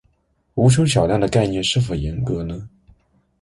无穷小量的概念是否严格呢？